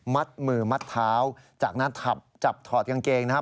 มัดมือมัดเท้าจากนั้นจับถอดกางเกงนะครับ